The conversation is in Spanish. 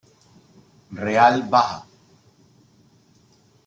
Real baja.